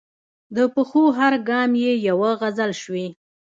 د پښو هر ګام یې یوه غزل شوې.